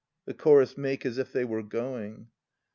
[The Chorus make as if they were going.